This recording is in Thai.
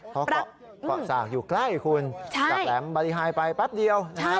เกาะสากอยู่ใกล้คุณใช่จากแหลมบาริฮายไปแป๊บเดียวใช่